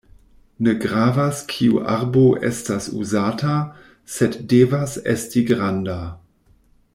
Ne gravas kiu arbo estas uzata, sed devas esti granda.